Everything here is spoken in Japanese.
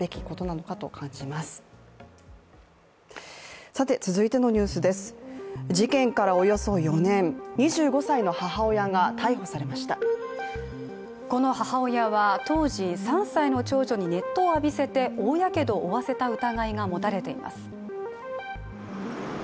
この母親は、当時、３歳の長女に熱湯を浴びせて大やけどを負わせた疑いが持たれています。